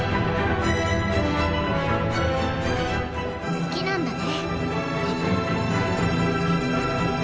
好きなんだね。